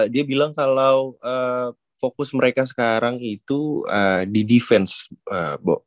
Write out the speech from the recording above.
dia bilang kalau fokus mereka sekarang itu di defense